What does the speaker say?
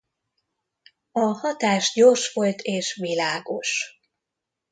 A hatás gyors volt és világos.